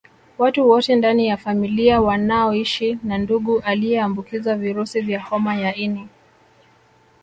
Watu wote ndani ya familia wanaoshi na ndugu aliyeambukizwa virusi vya homa ya ini